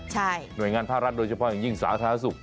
หน่วยงานภาครัฐโดยเฉพาะอย่างยิ่งสาธารณสุข